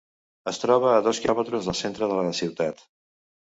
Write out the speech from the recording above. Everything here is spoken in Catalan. Es troba a dos quilòmetres del centre de la ciutat.